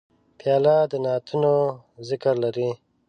پیاله د نعتونو ذکر لري.